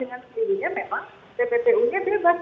dengan sendirinya memang tppu nya bebas